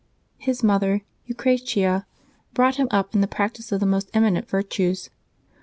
His mother Eucratia, brought him up in the practice of the most eminent virtues.